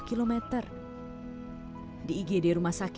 bisa jalan sebelumnya